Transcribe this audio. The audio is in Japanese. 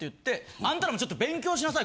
「あんたらもちょっと勉強しなさい